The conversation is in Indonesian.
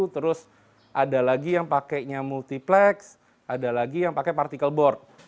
terus ada lagi yang pakainya multiplex ada lagi yang pakai partikel board